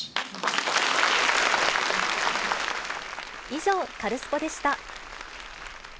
以上、カルスポっ！でした。